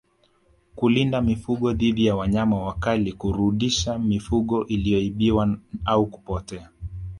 Kulinda mifugo dhidi ya wanyama wakali kurudisha mifugo iliyoibiwa au kupotea